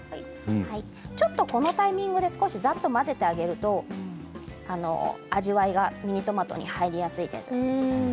ちょっとこのタイミングでざっと混ぜてあげると味わいがミニトマトに入りやすいです。